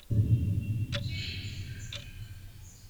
Train whistles echo in the distance.